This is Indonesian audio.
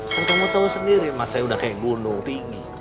kan kamu tahu sendiri mas saya udah kayak gunung tinggi